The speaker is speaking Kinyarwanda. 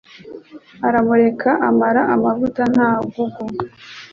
aramureka amara amavuta nta gugu